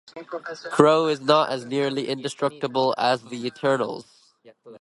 Kro is not as nearly indestructible as the Eternals.